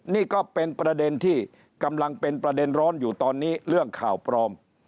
นี่ก็เป็นประเด็นที่กำลังเป็นประเด็นร้อนอยู่ตอนนี้เรื่องข่าวปลอม